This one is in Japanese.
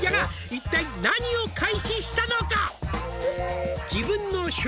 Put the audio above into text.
「一体何を開始したのか？」